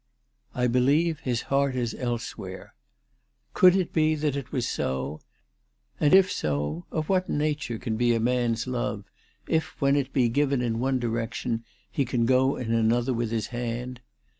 " I believe his heart is elsewhere." Could ALICE DUGDALE. 361 it be that it was so ? And if so, of what nature can. be a man's love, if when it be given in one direction, he can go in another with his hand